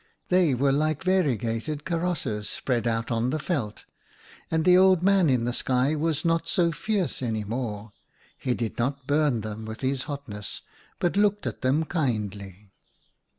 They were like variegated karosses spread out on the 94 OUTA KAREL'S STORIES veld, and the Old Man in the sky was not so fierce any more ; he did not burn them with his hotness, but looked at them kindly.